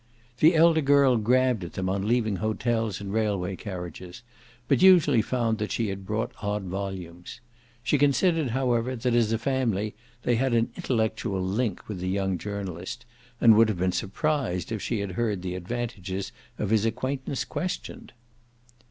The elder girl grabbed at them on leaving hotels and railway carriages, but usually found that she had brought odd volumes. She considered however that as a family they had an intellectual link with the young journalist, and would have been surprised if she had heard the advantage of his acquaintance questioned.